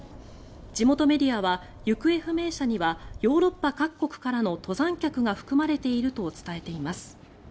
地元メディアは行方不明者にはヨーロッパ各国からの登山客が含まれていると伝えています。